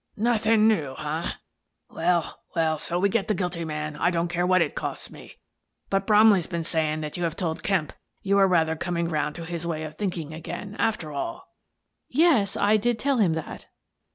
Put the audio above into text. " Nothing new, huh? Well, well, so we get the guilty man, I don't care what it costs me. But Bromley's been saying that you have told Kemp you were rather coming round to his way of think ing again, after all." " Yes, I did tell him that."